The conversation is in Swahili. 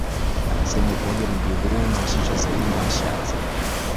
Anasema ukuaji wa mji huo unahusishwa zaidi na Washirazi